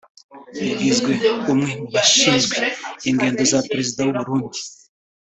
yagizwe umwe mu bashinzwe ingendo za Perezida w’Uburundi